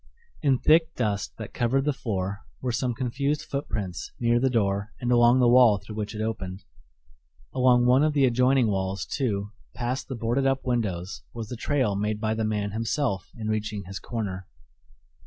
In thick dust that covered the floor were some confused footprints near the door and along the wall through which it opened. Along one of the adjoining walls, too, past the boarded up windows was the trail made by the man himself in reaching his corner.